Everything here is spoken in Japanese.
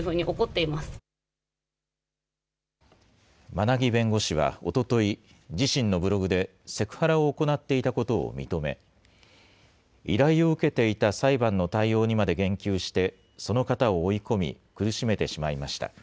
馬奈木弁護士はおととい、自身のブログで、セクハラを行っていたことを認め、依頼を受けていた裁判の対応にまで言及して、その方を追い込み、苦しめてしまいました。